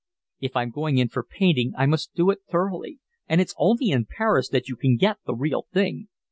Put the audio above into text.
"If I'm going in for painting I must do it thoroughly, and it's only in Paris that you can get the real thing."